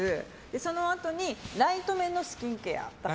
そのあとにライトめのスキンケア。